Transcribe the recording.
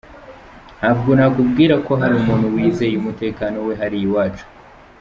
Ntabwo nakubwira ko hari umuntu wizeye umutekano we hariya iwacu.